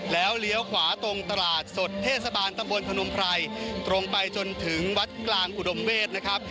แล้วเลี้ยวขวาตรงตลาดสดเทศบาลตำบลพนมไพรตรงไปจนถึงวัดกลางอุดมเวศนะครับ